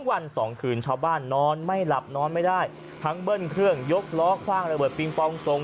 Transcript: วันสองคืนชาวบ้านนอนไม่หลับนอนไม่ได้ทั้งเบิ้ลเครื่องยกล้อคว่างระเบิงปองส่ง